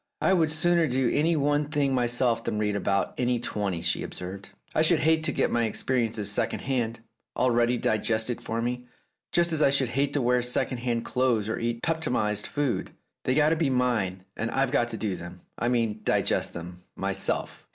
"I would sooner do any one thing myself than read about any twenty," she observed. "I should hate to get my experiences secondhand, already digested for me, just as I should hate to wear second hand clothes or eat peptonized food. They've got to be mine, and I've got to do them — I mean digest them — myself."